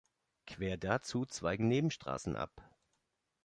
Quer dazu zweigen Nebenstraßen ab.